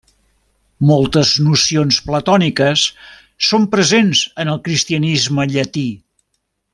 Moltes nocions platòniques són presents en el cristianisme llatí.